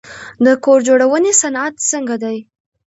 د کور جوړونې صنعت څنګه دی؟